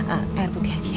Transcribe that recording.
air putih aja ya